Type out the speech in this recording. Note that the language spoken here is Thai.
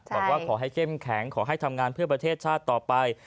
บอกว่าขอให้เข้มแข็งขอให้ทำงานเพื่อประเทศชาติต่อไป